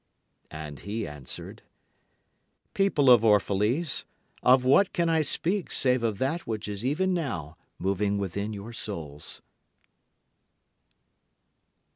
And he answered, People of Orphalese, of what can I speak save of that which is even now moving within your souls?